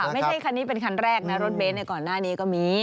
ไม่ใช่คันนี้เป็นคันแรกนะรถเบ้นก่อนหน้านี้ก็มี